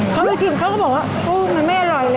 เค้าไปกินเค้าเขาก็บอกว่าโอ้โฮมันไม่อร่อยเลย